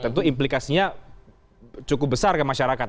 tentu implikasinya cukup besar ke masyarakat